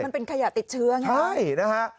มันเป็นขยะติดเชื้อใช่นะครับ